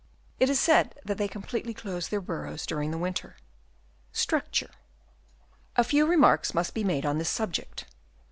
It is said that they completely close their burrows during the winter. Structure. — A few remarks must be made on this subject.